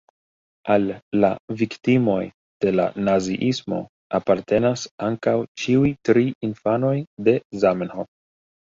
Al la viktimoj de la naziismo apartenas ankaŭ ĉiuj tri infanoj de Zamenhof.